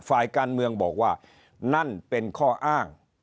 ฝ่ายการเมืองบอกว่านั่นเป็นข้ออ้าง